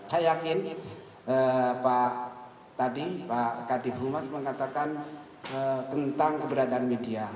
saya yakin pak tadi pak kadif humas mengatakan tentang keberadaan media